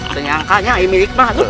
ternyakanya aimi wikmah dulu atu